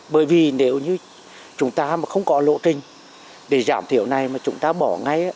bởi vì nếu như chúng ta mà không có lộ trình để giảm thiểu này mà chúng ta bỏ ngay